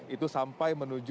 itu sampai menuju